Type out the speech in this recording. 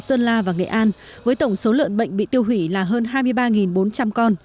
sơn la và nghệ an với tổng số lợn bệnh bị tiêu hủy là hơn hai mươi ba bốn trăm linh con